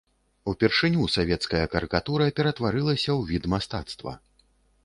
Упершыню савецкая карыкатура ператварылася ў від мастацтва.